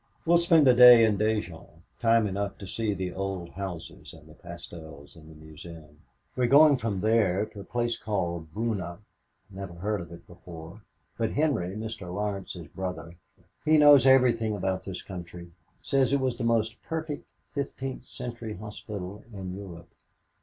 We'll spend a day in Dijon time enough to see the old houses and the pastels in the museum. We're going from there to a place called Beaune never heard of it before, but Henry Mr. Laurence's brother he knows everything about this country says it has the most perfect fifteenth century hospital in Europe.